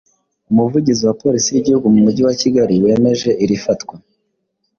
Umuvugizi wa Police y’igihugu mu mujyi wa Kigali wemeje iri fatwa